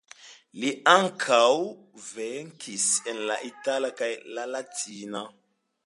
Li ankaŭ verkis en la itala kaj la latina.